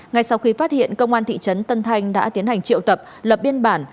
ngay sau khi phát hiện công an thị trấn tân thanh đã tiến hành triệu tập lập biên bản